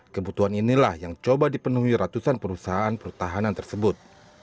kebutuhan inilah yang coba dipenuhi ratusan perusahaan pertahanan tersebut